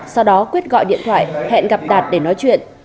sau đó quyết gọi điện thoại hẹn gặp để nói chuyện